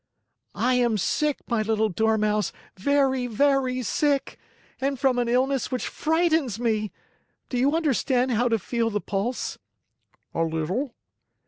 "I am sick, my little Dormouse, very, very sick and from an illness which frightens me! Do you understand how to feel the pulse?" "A little."